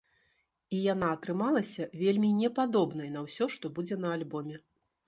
І яна атрымалася вельмі не падобнай на ўсё, што будзе на альбоме.